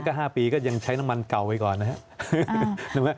ก็๕ปีก็ยังใช้น้ำมันเก่าไปก่อนนะครับ